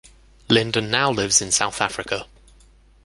Lyndon now lives in South Africa.